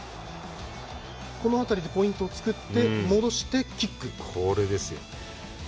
この辺りでポイントを作って戻してキック。